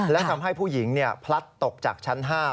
และทำให้ผู้หญิงพลัดตกจากชั้น๕